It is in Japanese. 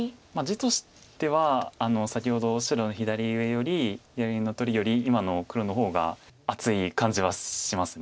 地としては先ほど白の左上より左の取りより今の黒の方が厚い感じはします。